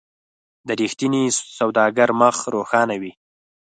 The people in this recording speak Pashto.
د رښتیني سوداګر مخ روښانه وي.